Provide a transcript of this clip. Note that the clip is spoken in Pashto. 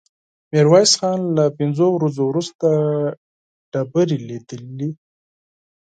ميرويس خان له پنځو ورځو وروسته ډبرې ليدلې.